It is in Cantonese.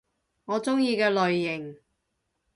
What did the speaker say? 我鍾意嘅類型